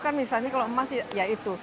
kan misalnya kalau emas ya itu